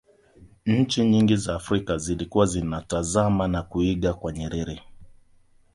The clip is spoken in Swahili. nchi nyingi za afrika zilikuwa zinatazama na kuiga kwa nyerere